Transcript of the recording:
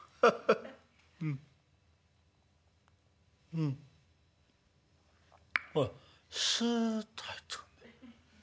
「うんほらスッと入ってくるね。